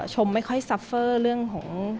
ชมไม่ค่อยซัฟเฟอร์เรื่องของ